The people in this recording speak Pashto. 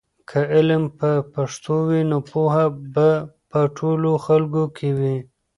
که علم په پښتو وي نو پوهه به په ټولو خلکو کې وي.